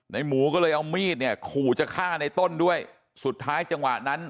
หมูก็เลยเอามีดเนี่ยขู่จะฆ่าในต้นด้วยสุดท้ายจังหวะนั้น